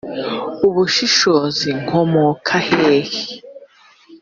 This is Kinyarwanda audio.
Ubushishozi komoka hehe